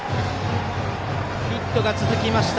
ヒットが続きました